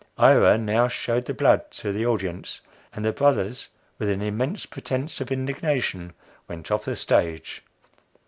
Ira now shewed the blood to the audience, and the Brothers, with an immense pretense of indignation, went off the stage.